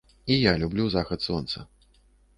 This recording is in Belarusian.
І я люблю захад сонца.